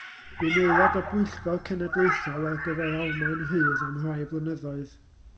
Bu'n aelod o Bwyllgor Cenedlaethol ar gyfer Almaen Rhydd am rai blynyddoedd.